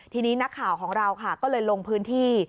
ทีนี้นักข่าวของเราค่ะก็เลยลงพื้นที่